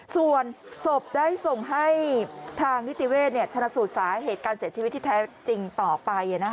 ส่วนศพได้ส่งให้ทางนิติเวชชนะสูตรสาเหตุการเสียชีวิตที่แท้จริงต่อไป